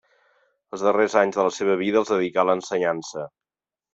Els darrers anys de la seva vida els dedicà a l'ensenyança.